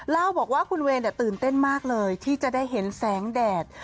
เล่าบอกว่าคุณเวย์ตื่นเต้นมากเลยที่จะได้เห็นแสงแดด